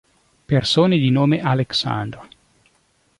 Persone di nome Alexandre